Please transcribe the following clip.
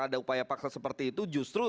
ada upaya paksa seperti itu justru